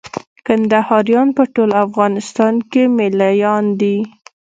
کندهاريان په ټول افغانستان کښي مېله يان دي.